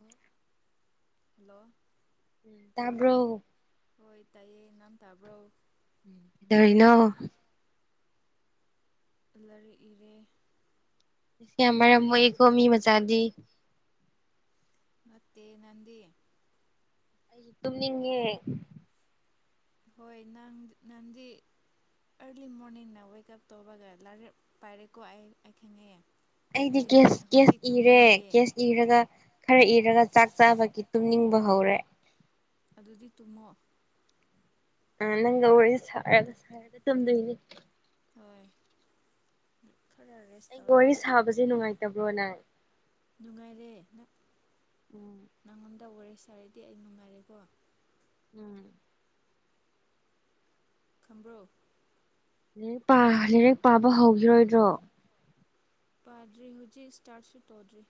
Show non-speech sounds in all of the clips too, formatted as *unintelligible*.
ꯌꯦ ꯍꯜꯂꯣ ꯝ ꯇꯕ꯭ꯔꯣ ꯍꯣꯏ ꯇꯥꯏꯌꯦ ꯅꯝ ꯇꯥꯕ꯭ꯔꯣ ꯏꯗꯅꯣ ꯂꯥꯏꯔꯤꯛ ꯏꯔꯦ ꯌꯥꯝ ꯃꯔꯝ ꯑꯣꯏꯀꯣ ꯃꯤ ꯃꯆꯥꯗꯤ ꯅꯠꯇꯦ ꯅꯗꯤ ꯑꯩ ꯇꯨꯝꯅꯤꯡꯉꯦ ꯍꯣꯏ ꯅꯪ ꯅꯪꯗꯤ ꯑꯔꯂꯤ ꯃꯣꯔꯅꯤꯡꯅ ꯋꯦꯛꯑꯞ ꯇꯧꯕꯒ ꯂꯥꯏꯔꯦ ꯄꯥꯏꯔꯦꯀꯣ ꯑꯩ ꯑꯩ ꯈꯪꯉꯛꯩꯑꯦ ꯑꯩꯗꯤ ꯀꯦꯁ ꯀꯦꯁ ꯏꯔꯦ ꯀꯦꯁ ꯏꯔꯒ ꯈꯔ ꯏꯔꯒ ꯆꯥꯛ ꯆꯥꯕꯒꯤ ꯇꯨꯝꯅꯤꯡꯕ ꯍꯧꯔꯦ ꯑꯗꯨꯗꯤ ꯇꯨꯝꯃꯣ ꯑ ꯅꯪꯒ ꯋꯥꯔꯤꯁꯦ ꯁꯥꯔꯒ ꯁꯥꯔꯒ ꯇꯨꯝꯗꯣꯏꯅꯦ ꯍꯣꯏ ꯈꯔ ꯔꯦꯁ ꯑꯩ ꯇꯧꯔꯣ ꯋꯥꯔꯤ ꯁꯥꯕꯁꯦ ꯅꯨꯡꯉꯥꯏꯇꯕ꯭ꯔꯣꯅꯦ ꯅꯨꯡꯉꯥꯏꯔꯦ ꯅ ꯎꯝ ꯅꯪꯉꯣꯟ ꯇꯧꯈꯔꯦ ꯑꯩ ꯁꯥꯔꯗꯤ ꯑꯩ ꯅꯨꯡꯉꯥꯏꯔꯦꯀꯣ ꯎꯝ ꯈꯝꯝꯕ꯭ꯔꯣ ꯂꯥꯏꯛ ꯂꯥꯏꯔꯛ ꯄꯥꯕ ꯍꯧꯈꯤꯔꯣꯏꯗ꯭ꯔꯣ ꯄꯥꯔ꯭ꯔꯤ ꯍꯧꯖꯤꯛ ꯏꯁꯇꯥꯥꯠꯁꯨ ꯇꯧꯗ꯭ꯔꯤ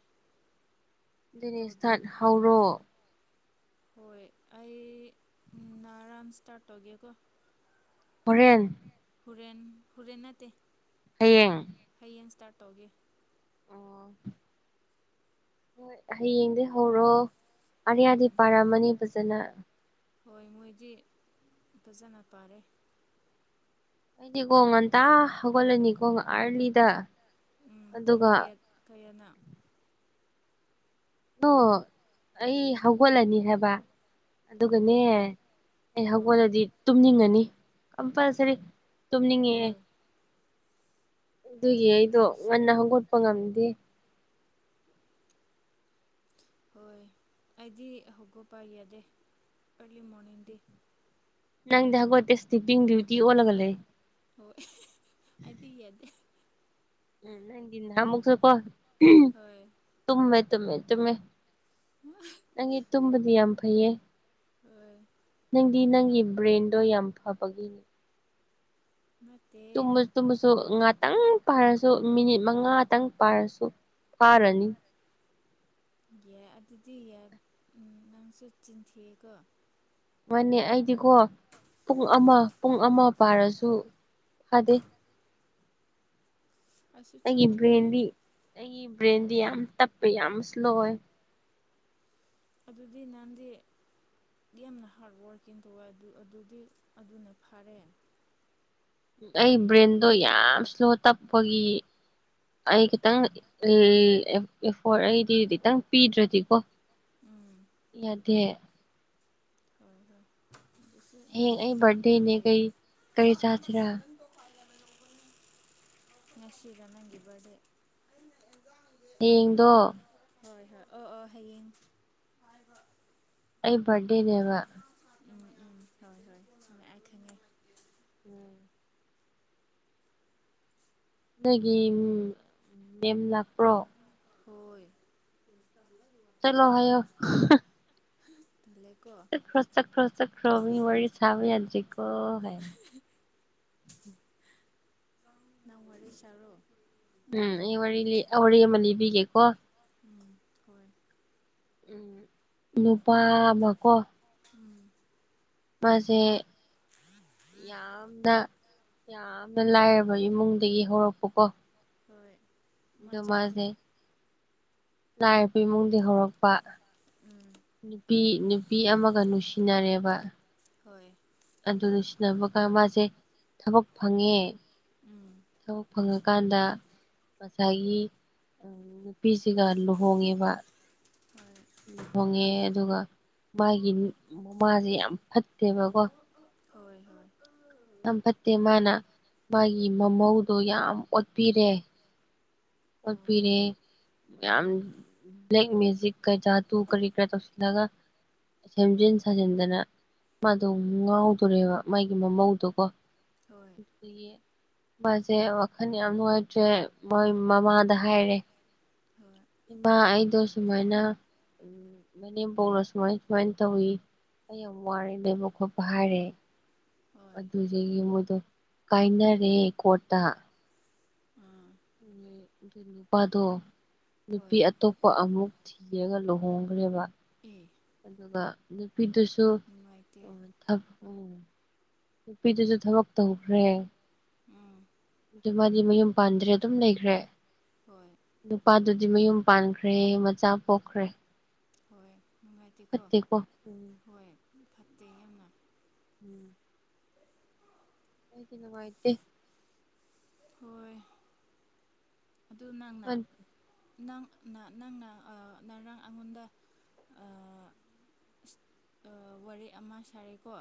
ꯅꯦꯁ ꯇꯧꯗꯦ ꯊꯠ ꯍꯧꯔꯣ ꯍꯣꯏ ꯑꯩ ꯅꯔꯥꯟ ꯏꯁꯇꯥꯔꯠ ꯇꯧꯒꯦꯀꯣ ꯍꯣꯔꯦꯟ ꯍꯔꯦꯟ ꯍꯨꯔꯦꯟꯅꯥꯇꯩ ꯍꯌꯦꯡ ꯌꯦꯟ ꯁ꯭ꯇꯥꯔꯠ ꯇꯧꯒꯦ ꯑꯣ ꯍꯣꯏ ꯍꯌꯦꯡꯗꯒꯤꯩ ꯍꯧꯔꯣ ꯑꯔꯌꯥꯗꯤ ꯎꯝ ꯄꯥꯔꯝꯃꯅꯤ ꯐꯖꯅ ꯍꯣꯏ ꯃꯣꯏꯗꯤ ꯐꯖꯅ ꯄꯥꯔꯦ ꯑꯩꯗꯤꯀꯣ ꯉꯟꯇꯥ ꯍꯧꯒꯠꯂꯅꯤꯀꯣ ꯑꯥꯔꯂꯤꯗ ꯎꯝ ꯄꯨꯡ ꯑꯗꯨꯒ ꯀꯌꯥꯠ ꯀꯌꯥꯠꯅ ꯑꯣ ꯑꯩ ꯍꯧꯒꯠꯂꯅꯤ ꯍꯥꯏꯕ ꯑꯣ ꯑꯗꯨꯒꯅꯦ ꯑꯩ ꯑꯣ ꯍꯧꯒꯠꯂꯗꯤ ꯇꯨꯝꯅꯤꯡꯉꯅꯤ ꯀꯝꯄꯜꯁꯔꯤ ꯇꯨꯝꯅꯤꯡꯉ ꯍꯣꯏ ꯑꯗꯨꯒꯤ ꯑꯩꯗꯣ ꯑꯗꯨꯁꯨ ꯉꯟꯅ ꯍꯣꯏ ꯍꯧꯒꯠꯄ ꯉꯝꯗꯦ ꯍꯣꯏ ꯑꯩꯗꯤ ꯍꯧꯒ ꯄꯥ ꯌꯥꯗꯦ ꯑꯔꯂꯤ ꯃꯣꯔꯅꯤꯡꯗꯤ ꯅꯪꯗꯒꯣꯠꯇꯦ ꯏꯁꯇꯤ ꯄꯤꯡ ꯗ꯭ꯨꯇꯤ ꯑꯣ ꯂꯒꯂꯦ ꯍꯣꯏ ꯑꯩꯗꯤ ꯌꯥꯗꯦ ꯎꯝ ꯅꯪꯤꯟ ꯅꯃꯒꯁꯨꯣꯄꯣ ꯍꯣꯏ ꯇꯨꯝꯃꯦ ꯇꯨꯝꯃꯦ ꯅꯪꯒꯤ ꯇꯨꯝꯕꯗꯤ ꯌꯥꯝ ꯐꯩꯌꯦ ꯑ ꯅꯪꯗꯤ ꯅꯪꯒꯤ ꯕ꯭ꯔꯦꯟꯗꯣ ꯌꯥꯝ ꯐꯕꯒꯤꯅꯦ ꯅꯠꯇꯦ ꯇꯃꯁꯨ ꯇꯨꯝꯁꯨ ꯉ ꯇꯪ ꯄꯥꯏꯔꯁꯨ ꯃꯤꯅꯤꯠ ꯃꯉꯥꯇꯪ ꯄꯥꯏꯔꯁꯨ ꯐꯥꯔꯅꯤ ꯌꯥꯏ ꯑꯗꯨꯗꯤ ꯅꯪꯁꯨ ꯆꯤꯟꯊꯤꯑꯀꯣ ꯃꯥꯅꯦ ꯑꯩꯗꯤꯀꯣ ꯄꯨꯡ ꯑꯃ ꯄꯨꯡ ꯑꯃ ꯄꯥꯔꯁꯨ ꯑꯗꯦ ꯑꯩꯁꯨ ꯆꯞ ꯑꯩꯒꯤ ꯃꯥꯟꯅꯩꯌꯦ ꯕ꯭ꯔꯦꯟꯗꯤ ꯑꯩꯒꯤ ꯕ꯭ꯔꯦꯟꯗꯤ ꯌꯥꯝ ꯇꯞꯄꯦ ꯌꯥꯝ ꯏꯁꯂꯣ ꯑꯣꯏ ꯑꯗꯨꯗꯤ ꯅꯍꯥꯟꯗꯤ ꯌꯥꯝꯅ ꯍꯥꯔꯗ ꯋꯥꯔꯛꯀꯤꯡ ꯇꯧꯋꯦ ꯑꯗꯨꯗꯤ ꯑꯗꯨꯅ ꯐꯔꯦ ꯑꯩ ꯕ꯭ꯔꯦꯟꯗꯣ ꯌꯥꯝ ꯏꯁ꯭ꯂꯣ ꯇꯞꯄꯒꯤ ꯑꯩ ꯈꯤꯇꯪ ꯑꯦ ꯑꯩꯗꯤ ꯈꯤꯇꯪ ꯄꯤꯗ꯭ꯔꯗꯤꯀꯣ ꯎꯝ ꯌꯥꯗ ꯍꯣꯏ ꯍꯣꯏ ꯏꯁ ꯍꯌꯦꯡ ꯑꯩ ꯅꯥꯡꯁꯤꯨꯝ ꯌꯥꯝꯅ ꯕꯥꯔꯗꯦꯅꯦ ꯀꯩ ꯍꯥꯏꯩ ꯀꯔꯤ ꯆꯥꯁꯤꯔꯥ ꯉꯁꯤꯔ ꯅꯪꯒꯤꯕꯗ ꯍꯌꯦꯗꯣ ꯍꯣꯏ ꯍꯣꯏ ꯑꯣ ꯑꯣꯥ ꯍꯌꯦꯡ ꯑꯩ ꯄꯔꯦꯅꯦꯕ ꯎꯝ ꯎꯝ ꯍꯣꯏ ꯍꯣꯏ ꯁꯨꯝꯃꯦ ꯑꯩ ꯈꯪꯉꯦ ꯑꯗꯒꯤ ꯃꯦꯝ ꯂꯥꯛꯄ꯭ꯔꯣ ꯍꯣꯏ ꯆꯂꯣ ꯍꯥꯏꯌꯣ ꯇꯜꯂꯦꯀꯣ ꯆꯈ꯭ꯔꯣ ꯆꯈ꯭ꯔꯣ ꯆꯈ꯭ꯔꯣꯃꯤ ꯋꯥꯔꯤ ꯋꯥꯔꯤ ꯁꯥꯕ ꯌꯥꯗ꯭ꯔꯤꯀꯣ ꯍꯥꯏ ꯅꯧꯋꯥꯔꯤ ꯆꯔꯣ ꯎꯝ ꯑꯩ ꯋꯥꯔꯤ ꯋꯥꯔꯤ ꯑꯃ ꯂꯤꯕꯤꯒꯦꯀꯣ ꯎꯝ ꯍꯣꯏ ꯎꯝ ꯅꯨꯄꯥ ꯑꯃꯀꯣ ꯎꯝ ꯃꯥꯁꯦ ꯌꯥꯝꯅ ꯌꯥꯝꯅ ꯂꯥꯏꯔꯕ ꯏꯃꯨꯡꯗꯒꯤ ꯍꯧꯔꯛꯄꯀꯣ ꯍꯣꯏ ꯃꯥ ꯑꯗꯣ ꯆꯠꯈ꯭ꯔꯦ ꯃꯥꯁꯦ ꯅꯥꯔꯕꯄ ꯏꯃꯨꯡꯗꯤ ꯍꯧꯔꯛꯄ ꯎꯝ ꯅꯨꯄꯤ ꯅꯨꯄꯤ ꯑꯃꯒ ꯅꯨꯡꯁꯤꯅꯔꯦꯕ ꯍꯣꯏ ꯑꯗꯨꯗ ꯁꯤꯟꯅꯅꯕꯒ ꯃꯥꯁꯦ ꯊꯕꯛ ꯐꯪꯉꯦ ꯎꯝ ꯊꯕꯛ ꯐꯪꯉꯀꯥꯟꯗ ꯉꯁꯥꯏꯒꯤ ꯅꯨꯄꯤꯁꯤꯒ ꯂꯨꯍꯣꯡꯉꯦꯕ ꯍꯣꯏ ꯂꯨꯍꯣꯡꯉꯦ ꯑꯗꯨꯒ ꯃꯥꯒꯤ ꯃꯃꯥꯁꯦ ꯌꯥꯝ ꯐꯠꯇꯦꯕꯀꯣ ꯍꯣꯏ ꯍꯣꯏ ꯇꯝ ꯐꯠꯇꯦ ꯃꯥꯅ ꯃꯥꯒꯤ ꯃꯃꯧꯗꯣ ꯌꯥꯝ ꯑꯣꯠꯄꯤꯔꯦ ꯑꯣ ꯐꯅꯦ ꯌꯥꯝ ꯃꯖꯤꯛ ꯀꯩ ꯆ ꯇ ꯀꯔꯤ ꯀ ꯇꯧꯒ ꯁꯦꯝꯖꯤꯟ ꯁꯥꯖꯤꯟꯗꯅ ꯃꯥꯗꯣ ꯉꯥꯎꯗꯣꯔꯦꯕ ꯃꯥꯒꯤ ꯃꯃꯧꯗꯨꯀꯣ ꯍꯣꯏ ꯃꯥꯁꯦ ꯑꯣꯈ ꯌꯥꯝ ꯑꯣꯏ ꯎꯆꯦ ꯃꯣꯏ ꯃꯃꯥꯗ ꯍꯥꯏꯔꯦ ꯍꯣꯏ ꯏꯃꯥ ꯑꯩꯗꯣ ꯁꯨꯃꯥꯏꯅ ꯃꯅꯦꯝꯕꯧꯅ ꯁꯨꯃꯥꯏ ꯁꯨꯃꯥꯏꯅ ꯇꯧꯋꯤ ꯑꯩ ꯌꯥꯝ ꯋꯥꯔꯦ ꯂꯩꯕ ꯈꯣꯠꯄ ꯍꯥꯏꯔꯦ ꯍꯣꯏ ꯑꯗꯨꯗꯒꯤ ꯃꯣꯏꯗꯣ ꯀꯥꯏꯅꯔꯦ ꯀꯣꯔꯠꯇ ꯑꯥ ꯑꯗꯨ ꯅꯨꯄꯥꯗꯣ ꯅꯨꯄꯤ ꯍꯣꯏ ꯑꯇꯣꯞꯄ ꯑꯃꯨꯛ ꯊꯤꯔꯒ ꯂꯨꯍꯣꯡꯈ꯭ꯔꯦꯕ ꯑꯦ ꯑꯗꯨꯒ ꯅꯨꯄꯤꯗꯨꯁꯨ ꯅꯨꯡꯉꯥꯏꯇꯦ ꯑꯣ ꯎꯝ ꯅꯨꯄꯤꯗꯨꯁꯨ ꯊꯕꯛ ꯇꯧꯈ꯭ꯔꯦ ꯎꯝ ꯑꯗꯨ ꯃꯥꯗꯤ ꯃꯌꯨꯝ ꯄꯥꯟꯗ꯭ꯔꯦ ꯑꯗꯨꯝ ꯂꯩꯈ꯭ꯔꯦ ꯍꯣꯏ ꯅꯨꯄꯥ ꯑꯗꯨꯗꯤ ꯃꯌꯨꯝ ꯄꯥꯟꯈ꯭ꯔꯦ ꯃꯆꯥ ꯄꯣꯛꯈ꯭ꯔꯦ ꯍꯣꯏ ꯅꯨꯡꯉꯥꯏꯇꯦꯀꯣ ꯐꯠꯇꯦꯀꯣ ꯎ ꯍꯣꯏ ꯐꯠꯇꯦ ꯌꯥꯝꯅ ꯎꯝ ꯀ ꯀꯅꯉꯥꯏꯇꯦ ꯍꯣꯏ ꯑꯗꯨ ꯅꯪꯅ ꯅꯪ ꯅꯪꯅ ꯉꯔꯥꯡ ꯑꯩꯉꯣꯟꯗ ꯋꯥꯔꯦ ꯑꯃ ꯁꯥꯔꯦꯀꯣ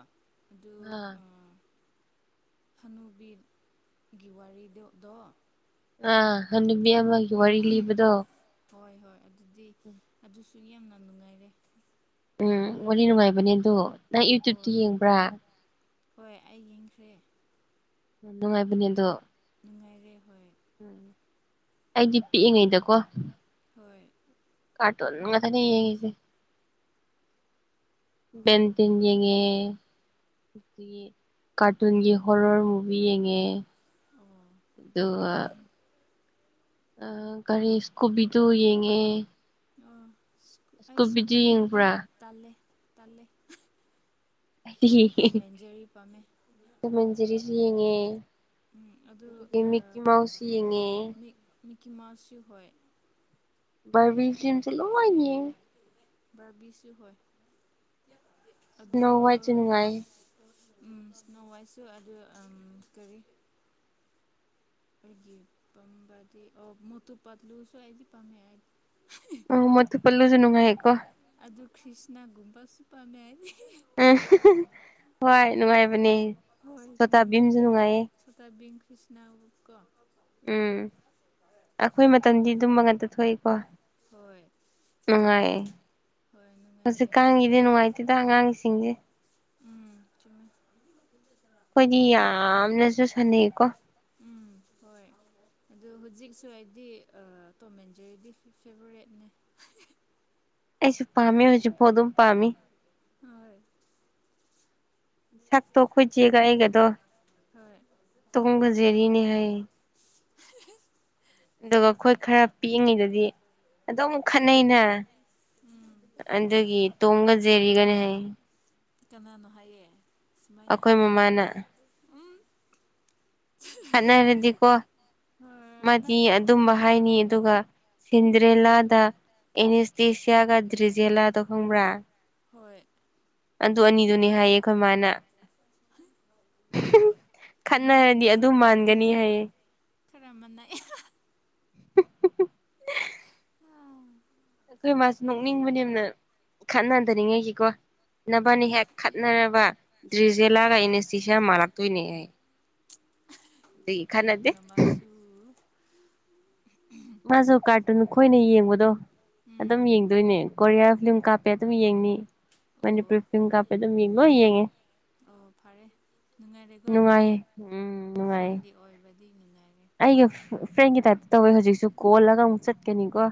ꯑꯗꯨ ꯑꯥ ꯍꯅꯨꯕꯤꯔ ꯒꯤꯋꯥꯔꯤꯗꯗ ꯑ ꯍꯅꯕꯤ ꯑꯃꯒꯤꯒꯤ ꯋꯥꯔꯤ ꯂꯤꯕꯗꯣ ꯍꯣꯏ ꯍꯣꯏ ꯑꯗꯨꯗꯤ ꯑꯗꯨꯁꯨ ꯌꯥꯝꯅ ꯅꯨꯡꯉꯥꯏꯔꯦ ꯎꯝ ꯋꯥꯔꯤ ꯅꯨꯡꯉꯥꯏꯕꯅꯦ ꯑꯗꯨ ꯅꯪ ꯌꯨꯇ꯭ꯨꯕꯇ ꯍꯣꯏ ꯌꯦꯡꯕ꯭ꯔꯥ ꯍꯣꯏ ꯑꯩ ꯌꯦꯡꯈ꯭ꯔꯦ ꯅꯅ ꯃꯥꯏꯕꯅꯤꯗꯣ ꯅꯨꯡꯉꯥꯏꯔꯦ ꯍꯣꯏ ꯎꯝ ꯑꯩꯗꯤ ꯄꯤꯛꯏꯉꯩꯗꯀꯣ ꯍꯣꯏ ꯀꯥꯇꯨꯟ ꯉ ꯊ ꯅ ꯍꯥꯏꯒꯤꯁꯤꯦ ꯄꯦꯟ ꯑꯣ ꯇꯖꯦꯉꯦ ꯀꯥꯔꯇꯨꯟꯒꯤ ꯍꯣꯔ ꯍꯣꯔ ꯃꯨꯚꯤ ꯌꯦꯡꯉꯛꯦ ꯑꯣ ꯑꯗꯨꯒ ꯑ ꯀꯒꯥꯔꯤ ꯀꯣꯕꯤꯗꯨ ꯌꯦꯡꯉꯦ ꯑꯣ ꯑꯩ ꯏꯁꯀꯨꯕꯤꯗꯨ ꯏꯁꯀꯨꯄꯤꯗꯨꯗꯤ ꯌꯦꯡꯕ꯭ꯔꯥ ꯇꯂꯦ ꯇꯂꯦ ꯃꯟꯖꯔꯤꯁꯤ ꯌꯦꯉꯦ ꯎꯝ ꯑꯗꯨ ꯑꯗꯨꯗꯒꯤ ꯃꯀꯤ ꯃꯥꯎꯁꯤ ꯌꯦꯉꯦ ꯃꯤꯀꯤ ꯃꯥꯁꯤꯁꯨ ꯍ ꯔꯕꯤꯁꯤꯡꯟ ꯆ ꯂꯌꯦ ꯕꯥꯔꯕꯤꯁꯨ ꯍ ꯁꯅꯣꯋꯥꯏ ꯆ ꯅꯨꯅꯨꯡꯉꯥꯏ ꯎꯝ ꯅꯋꯥꯏꯁꯨ ꯑꯗꯨ ꯀꯔꯤ ꯄꯕꯗꯤ ꯑꯣ ꯃꯣꯠꯇꯨ ꯄ ꯂꯨ ꯁ ꯑꯗꯤ ꯄ ꯑ ꯑꯣ ꯃꯠꯇ ꯄꯜꯂꯨꯁꯨꯅꯅꯨꯡꯉꯥꯏꯀꯣ ꯀ꯭ꯔꯤꯁꯅꯒꯨꯝꯕ ꯁꯨꯄ ꯃꯌꯥꯏ ꯎ ꯍꯣꯏ ꯅꯨꯡꯉꯥꯏꯕꯅꯦ ꯍꯣꯏ ꯁꯣꯇꯥꯕꯤꯝꯁꯨ ꯅꯨꯡꯉꯥꯏꯌꯦ ꯀ꯭ꯔꯤꯁꯅ ꯎꯀ ꯎꯝ ꯑꯩꯈꯣꯏ ꯃꯇꯝꯗꯤ ꯑꯗꯨꯝ ꯃ ꯉꯛꯇ ꯊꯣꯛꯏꯀꯣ ꯍꯣꯏ ꯅꯨꯡꯉꯥꯏꯌꯦ ꯍꯣꯏ ꯍꯧꯖꯤꯛ ꯅꯨꯡꯉꯥꯏꯔꯦ ꯀꯥꯡꯒꯤꯗꯤ ꯅꯨꯡꯉꯥꯏꯇꯦꯗ ꯑꯉꯥꯡꯒꯤꯁꯤꯡꯁꯦ ꯎꯝ ꯆꯨꯝꯃꯦ ꯑꯩꯈꯣꯏꯗꯤ ꯑꯗꯨ ꯌꯥꯝꯅꯁꯨ ꯁꯥꯟꯅꯩꯀꯣ ꯎꯝ ꯍꯣꯏ ꯑꯗꯨ ꯍꯧꯖꯤꯛꯁꯨ ꯍꯥꯏꯗꯤ ꯇꯧꯃꯦꯟꯖꯔꯤꯗꯤ ꯐꯦꯕꯣꯔꯦꯠꯅꯦ ꯑꯩꯁꯨ ꯄꯝꯃꯤ ꯍꯧꯁ ꯄꯗꯨꯝ ꯄꯝꯃꯤ ꯍ ꯁꯛꯇꯣ ꯈꯣꯏꯆꯦꯒ ꯑꯩꯒꯗꯣ ꯍꯣꯏ ꯇꯣꯝꯒ ꯖꯦꯔꯤꯅꯤ ꯍꯥꯏ ꯌꯦ ꯑꯗꯨꯒ ꯑꯩꯈꯣꯏ ꯈꯔ ꯄꯤꯛꯉꯩꯗꯗꯤ ꯑꯗꯨꯝ ꯈꯠꯅꯩꯅꯦ ꯎꯝ ꯑꯗꯒꯤ ꯇꯣꯡꯒ ꯖꯦꯔꯤꯒꯅꯤ ꯍꯥꯏ ꯀꯅꯥꯅꯣ ꯍꯥꯏꯌꯦ ꯁꯨꯃꯥꯏꯅ ꯑꯩꯈꯣꯏ ꯃꯃꯥꯅ ꯎꯝ ꯈꯠꯅꯔꯗꯤꯀꯣ ꯃꯥꯗꯤ ꯅꯠꯇꯦ ꯑꯗꯨꯝꯕ ꯍꯥꯏꯅꯤ ꯑꯗꯨꯒ ꯁꯤꯟꯗ꯭ꯔꯦꯂꯥꯗ ꯑꯦꯅꯤꯁꯇꯦꯁꯤꯌꯥꯒ ꯗ꯭ꯔꯤꯖꯦꯂꯥꯗ ꯈꯪꯕ꯭ꯔꯥ ꯍꯣꯏ ꯑꯗꯨ ꯑꯅꯤꯗꯨꯅꯤ ꯍꯥꯏꯌꯦ ꯑꯩꯈꯣꯏ ꯃꯥꯅ ꯆꯨꯝꯃꯦ ꯈꯠꯅꯔꯗꯤ ꯑꯗꯨ ꯑꯗꯨꯝ ꯃꯥꯟꯒꯅꯤ ꯍꯥꯏꯌꯦ ꯈꯔꯝꯃꯅ ꯑꯩꯈꯣꯏ ꯃꯥꯁꯦ ꯅꯣꯛꯅꯤꯡꯕꯅꯦꯅ ꯈꯠꯅ ꯍꯟꯗꯅꯤꯡꯉꯥꯏꯒꯤꯀꯣ ꯍꯣꯏ ꯅꯚꯅꯤ ꯍꯦꯛ ꯈꯠꯅꯅꯕ ꯗ꯭ꯔꯤꯖꯦꯂꯥꯒ ꯏꯅꯤꯁꯇꯁꯤꯌꯥ ꯃꯥꯜꯂꯛꯇꯣꯏꯅꯦ ꯍꯥꯏ ꯅꯪꯒꯤ ꯈꯅꯗꯦ ꯃꯃꯥꯁꯨ ꯃꯥꯁꯨ ꯀꯥꯔꯇꯨꯟ ꯈꯈꯣꯏꯅ ꯌꯦꯡꯕꯗꯣ ꯎꯝ ꯑꯗꯨꯝ ꯌꯦꯡꯗꯣꯏꯅꯦ ꯀꯣꯔꯤꯌꯥ ꯐꯤꯂꯝ ꯀꯥꯞ ꯀꯄ ꯑꯗꯨꯝ ꯌꯦꯡꯅꯤ ꯃꯅꯤꯄꯨꯔꯤ ꯑꯣ ꯐꯤꯂꯝ ꯀꯥꯞꯄꯦ ꯑꯗꯨꯝ ꯌꯦꯡꯉꯣ ꯌꯦꯡꯉꯦ ꯑꯣ ꯐꯔꯦ ꯅꯨꯡꯉꯥꯏꯔꯦꯀꯣ ꯑꯗꯨꯗꯤ ꯅꯨꯡꯉꯥꯏꯌꯦ ꯎꯝ ꯅꯨꯡꯉꯥꯏꯌꯦ ꯐ꯭ꯔꯦꯟꯂꯤ ꯑꯣꯏꯕꯗꯤ ꯅꯨꯡꯉꯥꯏꯔꯦ ꯑꯩꯒ ꯐ꯭ꯔꯦꯟꯒꯤ ꯇꯥꯏꯞꯇ ꯇꯧꯋꯦ ꯍꯧꯖꯤꯛꯁꯨ ꯀꯣꯜꯂꯒ ꯑꯃꯨꯛ ꯆꯠꯀꯅꯤꯀꯣ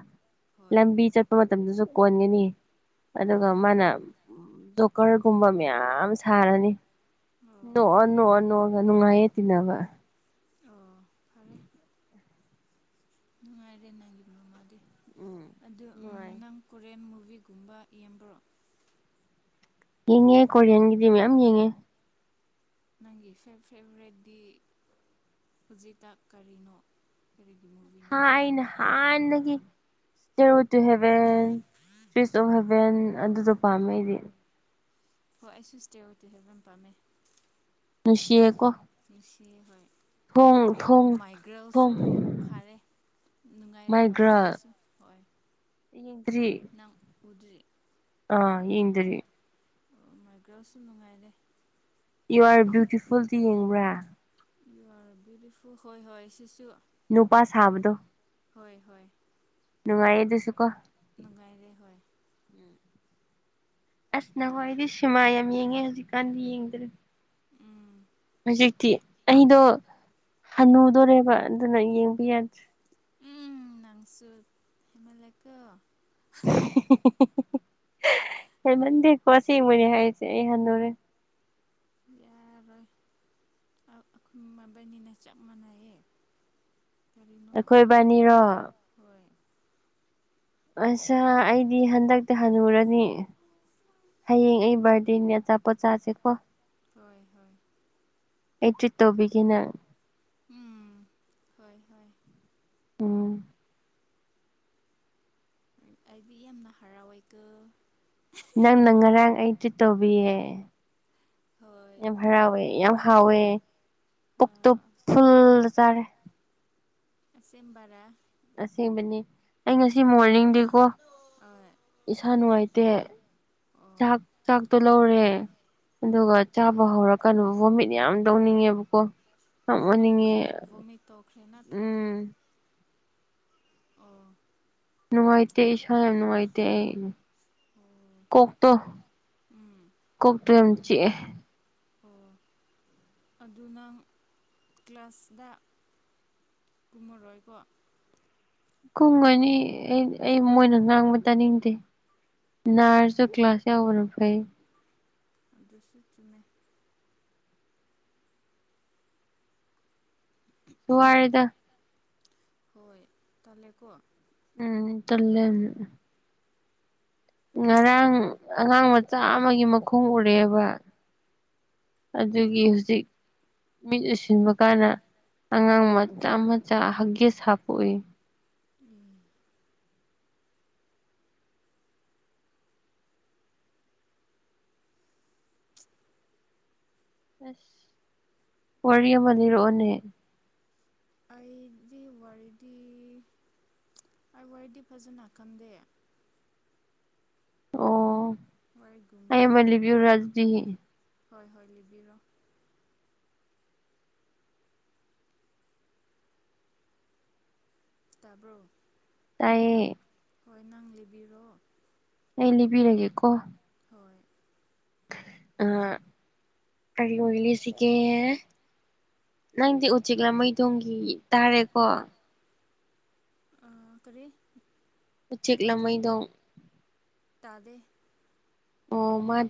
ꯍꯣꯏ ꯂꯝꯕꯤ ꯆꯠꯄ ꯃꯇꯝꯗꯁꯨ ꯀꯣꯟꯒꯅꯤ ꯑꯗꯨꯒ ꯑꯣ ꯃꯥꯅ ꯗꯣꯀꯔꯒꯨꯝꯕ ꯃꯌꯥꯝ ꯁꯥꯔꯅꯤ ꯑꯣ ꯅꯣꯛꯑꯣ ꯅꯣꯛꯑꯣ ꯅꯣ ꯅꯨꯡꯉꯥꯏꯌꯦ ꯇꯤꯅꯕ ꯑꯣ ꯐꯔꯦ ꯅꯨꯡꯉꯥꯏꯔꯦ ꯅꯪꯒꯤ ꯃꯃꯥꯗꯤ ꯎꯝ ꯑꯗꯨ ꯅꯨꯡꯉꯥꯏ ꯅꯪ ꯀꯣꯔꯦꯟ ꯃꯨ ꯕꯤꯒꯨꯝꯕ ꯌꯦꯡꯕ꯭ꯔꯣ ꯌꯦꯡꯉꯦ ꯀꯣꯔꯤꯌꯥꯟꯒꯤꯗꯤ ꯃꯌꯥꯝ ꯌꯦꯡꯉꯦ ꯅꯪꯒꯤ ꯐꯦ ꯐꯦꯕꯔꯦꯠꯗꯤ ꯍꯧꯖꯤꯇꯥ ꯀꯔꯤꯅꯣ ꯀꯔꯤꯒꯤꯅꯣ ꯍꯅ ꯅ ꯍꯟꯅꯒꯤ zero to heaven trees of heaven ꯑꯗꯨꯗꯣ ꯄꯥꯝꯃꯦ ꯑꯩꯗꯤ ꯍꯣꯏ ꯑꯩꯁꯁꯨ ꯁꯇꯦ ꯑꯣꯏꯇ ꯍꯥꯏꯕꯦꯝ ꯄꯥꯝꯃꯦ ꯅꯁꯤꯦ ꯀꯣ ꯁꯤ ꯍꯣꯏ ꯊꯣꯡ ꯃꯥꯏꯒ꯭ꯔꯦꯜꯁꯨ ꯊꯣꯡ ꯐꯔꯦ ꯅꯨꯡꯉꯥꯏꯔꯦ ꯃꯥꯏꯒ꯭ꯔꯣꯁꯨ ꯍꯣꯏ ꯌꯦꯗ꯭ꯔꯤ ꯅꯪ ꯎꯗ꯭ꯔꯤ ꯑꯥ ꯌꯦꯡꯗꯔꯤ ꯑꯣ ꯃꯥꯏꯒ꯭ꯔꯦꯜꯁꯨ ꯅꯨꯡꯉꯥꯏꯔꯦ ꯌꯨ ꯑꯥꯔ ꯕꯌꯨꯇꯤꯐꯨꯜꯗꯤ ꯌꯦꯡꯕ꯭ꯔꯥ ꯌꯨ ꯑꯔ ꯕꯤꯂꯤꯐꯨ ꯍꯣꯏ ꯍꯣꯏ ꯁꯤꯁꯨ ꯅꯨꯄꯥ ꯁꯥꯕꯗꯣ ꯍꯣꯏ ꯍꯣꯏ ꯅꯨꯡꯉꯥꯏꯌꯦ ꯑꯗꯨꯁꯨ ꯀꯣ ꯅꯨꯡꯉꯥꯏꯔꯦ ꯍꯣꯏ ꯑꯁ ꯅꯈꯣꯏꯋꯥꯗꯤ ꯁꯤꯃꯥ ꯌꯥꯝ ꯌꯦꯡꯉꯦ ꯍꯧꯖꯤꯛꯀꯥꯟꯗꯤ ꯌꯦꯡꯗ꯭ꯔꯦ ꯎꯝ ꯍꯧꯖꯤꯛꯇꯤ ꯑꯩꯗꯣ ꯍꯟꯅꯨꯗꯣꯔꯦꯕ ꯑꯗꯨꯅ ꯌꯦꯡꯕ ꯌꯥꯗ꯭ꯔꯦ ꯎꯝ ꯅꯪꯁꯨ ꯍꯦꯃꯜꯌꯥꯀꯣ *unintelligible* ꯍꯃꯟꯗꯦꯀꯣ ꯁꯤꯦꯡꯕꯅꯤ ꯍꯥꯏꯔꯤꯁꯦ ꯑꯩ ꯍꯟꯗꯣꯔꯦ ꯌꯥ ꯑꯩꯈꯣꯏ ꯃꯕꯥꯅꯤꯅ ꯆꯞ ꯃꯥꯟꯅꯩꯌꯦ ꯀꯔꯤꯅꯣ ꯑꯩꯈꯣꯏꯕꯥꯅꯤꯔꯣ ꯍꯥꯏꯒꯅꯨ ꯍꯣꯏ ꯑꯁꯥ ꯑꯩꯗꯤ ꯍꯟꯗꯛꯇꯤ ꯍꯜꯂꯨꯔꯅꯤ ꯍꯌꯦꯡ ꯑꯩ ꯕꯥꯔꯗꯤꯟ ꯑꯆꯥꯄꯣꯠ ꯆꯥꯁꯦꯀꯣ ꯍꯣꯏ ꯍꯣꯏ ꯑꯦ ꯇ꯭ꯔꯤꯠꯇꯕꯤꯒꯤꯅ ꯎꯝ ꯍꯣꯏ ꯍꯣꯏ ꯎꯝ ꯑꯩꯗꯤ ꯌꯥꯝꯅ ꯍꯔꯥꯎꯋꯦꯒ ꯅꯪꯅ ꯉꯔꯥꯡ ꯑꯩꯗꯤ ꯇꯧꯕꯤꯌꯦ ꯍꯣꯏ ꯌꯥꯝ ꯍꯔꯥꯎꯋꯦ ꯌꯥꯝ ꯍꯥꯎꯋꯦ ꯄꯨ ꯇꯨ ꯐꯨꯜ ꯆꯔꯦ ꯁꯦꯝꯕꯔ ꯑꯁꯦꯡꯕꯅꯤ ꯑꯩ ꯉꯁꯤ ꯃꯣꯔꯅꯤꯡꯗꯦꯀꯣ ꯑꯣ ꯏꯁꯥ ꯅꯨꯡꯉꯥꯏꯇꯦ ꯆꯥꯛ ꯆꯥꯛꯇꯣ ꯂꯧꯔꯦ ꯍꯣꯏ ꯑꯗꯨꯒ ꯆꯥꯕ ꯍꯧꯔꯀꯥꯟꯗ ꯚꯣꯃꯤꯠ ꯌꯥꯝ ꯇꯧꯅꯤꯡꯉꯦꯕꯀꯣ ꯌꯥꯝ ꯑꯣꯅꯤꯡꯉꯦ ꯇꯣꯛꯈ꯭ꯔꯦ ꯚꯣꯃꯤ ꯇꯣꯛꯈ꯭ꯔꯦ ꯅꯠꯇ꯭ꯔꯗꯤ ꯎꯝ ꯑ ꯅꯨꯡꯉꯥꯏꯇꯦ ꯏꯁꯥ ꯌꯥꯝ ꯅꯨꯡꯉꯥꯏꯇꯦ ꯑꯩ ꯑꯣ ꯀꯣꯛꯣꯛ ꯇꯣ ꯎꯝ ꯀꯣꯛꯣꯛ ꯇ ꯌꯥꯝ ꯆꯦ ꯑꯣ ꯑꯗꯨ ꯅꯪ ꯀ꯭ꯂꯥꯁꯗ ꯀꯨꯃꯨꯔ ꯔꯀ ꯀꯨꯝꯒꯅꯤ ꯑꯩ ꯑꯩ ꯃꯣꯏꯅ ꯉꯥꯡꯕ ꯇꯥꯅꯤꯡꯗꯦ ꯅꯔꯁꯁꯨ ꯎꯝ ꯀ꯭ꯂꯥꯁ ꯌꯥꯎꯕꯅ ꯐꯩ ꯗꯁꯨ ꯆꯃꯦ ꯁꯨꯍꯔꯗ ꯍꯣꯏ ꯇꯂꯦꯀꯣ ꯎꯝ ꯆꯂꯦ ꯉꯔꯥꯡ ꯑꯉꯥꯡ ꯃꯆꯥ ꯑꯃꯒꯤ ꯃꯈꯣꯡ ꯎꯔꯛꯑꯦꯕ ꯑꯗꯨꯒꯤ ꯍꯧꯖꯤꯛ ꯃꯤꯠ ꯎꯁꯤꯟꯕ ꯀꯥꯟꯗ ꯑꯉꯥꯡ ꯃꯆꯥ ꯃꯆꯥ ꯍꯛꯒꯦꯁ ꯍꯥꯞꯄꯣꯛꯏ ꯎꯝ ꯑꯁ ꯋꯥꯔꯤꯌꯦꯃ ꯂꯩꯔꯑꯣꯅꯦ ꯑꯩꯒꯤ ꯋꯥꯔꯤꯗꯤ ꯑꯩ ꯋꯥꯗꯤ ꯐꯖꯅ ꯈꯟꯗꯦ ꯑꯣ ꯋꯥꯔꯤꯒꯨꯝꯕ ꯑꯩ ꯃꯂꯤꯕꯤꯌꯨ ꯔꯖꯗꯤ ꯍꯣꯏ ꯍꯣꯏ ꯂꯤꯕꯤꯔꯣ ꯇꯕ꯭ꯔꯣ ꯇꯥꯏꯌꯦ ꯍꯣꯏ ꯅꯪ ꯂꯤꯕꯤꯔꯣꯑꯣ ꯑꯩ ꯂꯤꯕꯤꯔꯒꯦꯀꯣ ꯑ ꯀꯔꯤ ꯋꯥꯔꯤ ꯂꯤꯁꯤꯀꯦ ꯅꯪꯗꯤ ꯎꯆꯤꯦꯛ ꯂꯃꯩ ꯊꯣꯡꯒꯤ ꯇꯥꯔꯦꯀꯣ ꯑ ꯀꯔꯤ ꯎꯆꯦꯛ ꯂꯝꯃꯩꯗꯣꯡ ꯇꯥꯗꯦ ꯑꯣ ꯃꯥ